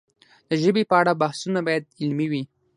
د ژبې په اړه بحثونه باید علمي وي.